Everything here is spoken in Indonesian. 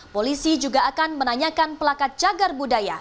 polisi juga akan menanyakan pelakat cagar budaya